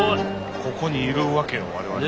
ここにいるわけや我々も。